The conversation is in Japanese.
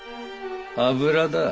油だ。